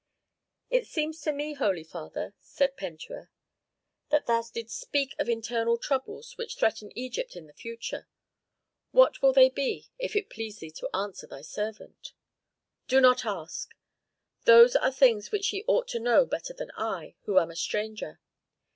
"It seems to me, holy father," said Pentuer, "that thou didst speak of internal troubles which threaten Egypt in the future. What will they be, if it please thee to answer thy servant?" "Do not ask. Those are things which ye ought to know better than I, who am a stranger.